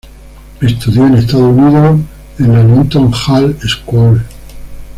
Estudió en Estados Unidos en la Linton Hall School.